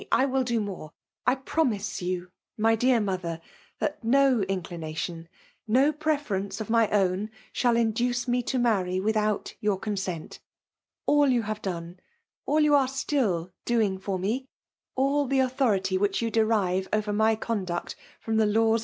I will do moM*. ' i fCnnnito you, my dear mother, that no iMUoar ii0n>. no pceferenoe bf my ovn, tihair induce BO: to marry without your, conaent. AU'iyta haVe do8i^« all you are still doing fbr me, itt tke authority which you derive over my oonf duot from the laws